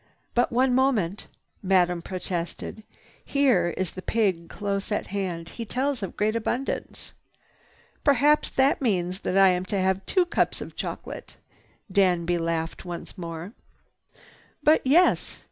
"But one moment!" Madame protested. "Here is the pig close at hand. He tells of great abundance." "Perhaps that means that I am to have two cups of chocolate." Danby laughed once more. "But yes!"